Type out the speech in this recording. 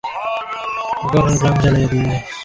অকারণে গ্রাম জ্বালাইয়া দিয়া যায়।